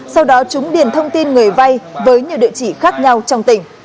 sau đó chúng điền thông tin người vay với nhiều địa chỉ khác nhau trong tỉnh